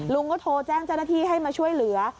ลุงก็โทรแจ้งเจ้าหน้าที่ให้มาช่วยเหลือ